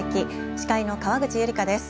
司会の川口由梨香です。